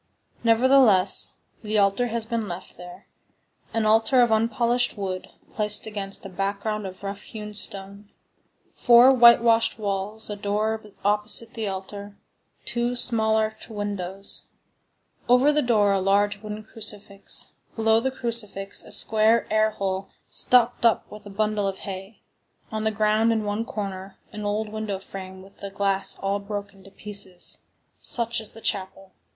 Nevertheless, the altar has been left there—an altar of unpolished wood, placed against a background of roughhewn stone. Four whitewashed walls, a door opposite the altar, two small arched windows; over the door a large wooden crucifix, below the crucifix a square air hole stopped up with a bundle of hay; on the ground, in one corner, an old window frame with the glass all broken to pieces—such is the chapel.